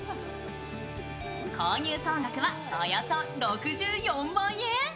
購入総額はおよそ６４万円。